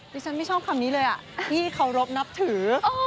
ฉันไม่ชอบคำนี้เลยพี่เคารพนับถือ